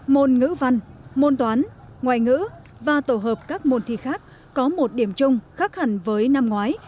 môn ngữ văn môn toán ngoại ngữ và tổ hợp các môn thi khác có một điểm chung khác hẳn với năm ngoái